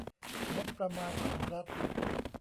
งบประมาณของรัฐ